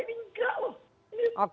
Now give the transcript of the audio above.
ini enggak loh